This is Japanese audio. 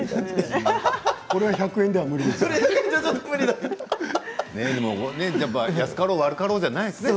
これは１００円では無理ですね。